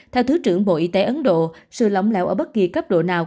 theo thứ trưởng bộ y tế ấn độ sự lỏng lẻo ở bất kỳ cấp độ nào